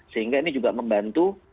sehingga ini juga membantu